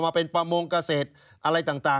ชีวิตกระมวลวิสิทธิ์สุภาณฑ์